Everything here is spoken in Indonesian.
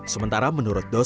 sementara menurut dosen